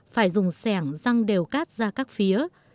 phải dùng sẻng răng đều cát ra các phía